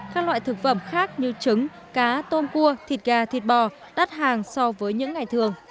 các loại thực phẩm khác như trứng cá tôm cua thịt gà thịt bò đắt hàng so với những ngày thường